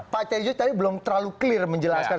pak tejo tadi belum terlalu clear menjelaskan